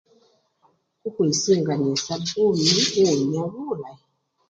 Khukhwisinga nende sabuni owunya bulayi.